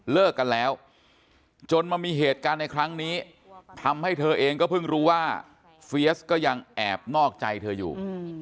เลิกกันแล้วจนมามีเหตุการณ์ในครั้งนี้ทำให้เธอเองก็เพิ่งรู้ว่าเฟียสก็ยังแอบนอกใจเธออยู่